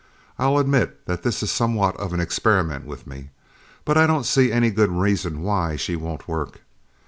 I'll admit that this is somewhat of an experiment with me, but I don't see any good reason why she won't work.